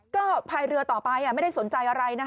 ก็พายเรือต่อไปไม่ได้สนใจอะไรนะคะ